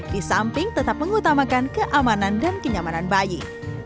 di samping tetap mengutamakan keamanan dan kenyamanan bayi